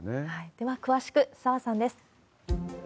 では詳しく、澤さんです。